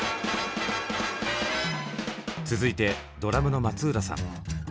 続いてドラムの松浦さん。